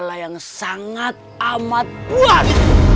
serigala yang sangat amat buat